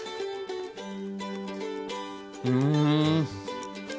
うん。